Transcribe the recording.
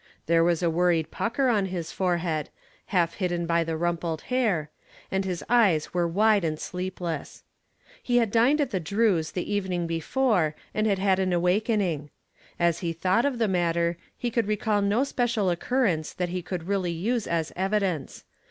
There was a worried pucker on his forehead, half hidden by the rumpled hair, and his eyes were wide and sleepless. He had dined at the Drews' the evening before and had had an awakening. As he thought of the matter he could recall no special occurrence that he could really use as evidence.